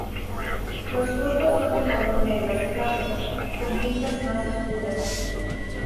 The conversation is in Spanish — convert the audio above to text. Los Fruto son de color negro azulado, con pintas más oscuras.